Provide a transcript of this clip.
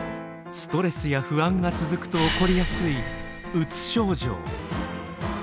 ストレスや不安が続くと起こりやすいうつ症状。